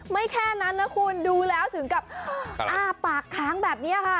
แค่นั้นนะคุณดูแล้วถึงกับอ้าปากค้างแบบนี้ค่ะ